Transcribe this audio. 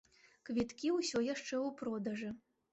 Квіткі ўсё яшчэ ў продажы.